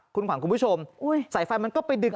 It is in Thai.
คุณขวัญคุณผู้ชมสายไฟมันก็ไปดึง